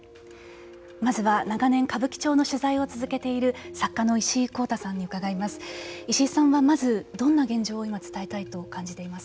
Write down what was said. まずは長年、歌舞伎町の取材を続けている作家の石井光太さんにうかがいます。